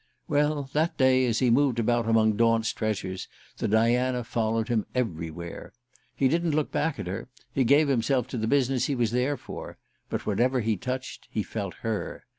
Well, that day, as he moved about among Daunt's treasures, the Diana followed him everywhere. He didn't look back at her he gave himself to the business he was there for but whatever he touched, he felt her.